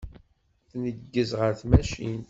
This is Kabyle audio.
Tneggez ɣer tmacint.